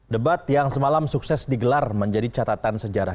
debat yang semalam sukses digelar menjadi catatan sejarah